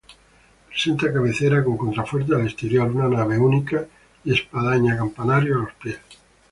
Presenta cabecera con contrafuertes al exterior, una nave única y espadaña-campanario a los pies.